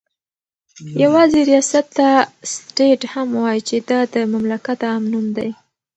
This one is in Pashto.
يوازي رياست ته سټيټ هم وايي چې دا دمملكت عام نوم دى